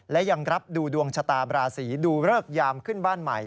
และยังรับดูดวงชะตาบราศีดูเริกยามขึ้นบ้านใหม่